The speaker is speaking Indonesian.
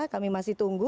kami masih tunggu